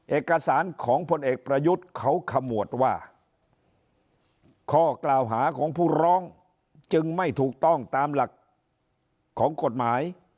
เอกสารของพลเอกประยุทธ์เขาขมวดว่าข้อกล่าวหาของผู้ร้องจึงไม่ถูกต้องตามหลักของกฎหมาย